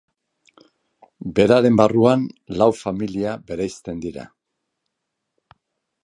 Beraren barruan lau familia bereizten dira.